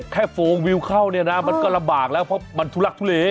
แค่โฟร์วิวเข้านี่น้ำโอ้ยมันก็ลำบากแล้วเพราะมันทูลักทูลี